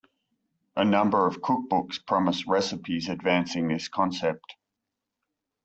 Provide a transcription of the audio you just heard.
A number of cookbooks promise recipes advancing this concept.